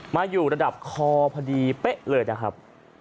มาอยู่ระดับคอพอดีเป๊ะเลยนะครับ